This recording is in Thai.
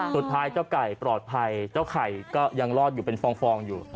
เจ้าไก่ปลอดภัยเจ้าไข่ก็ยังรอดอยู่เป็นฟองอยู่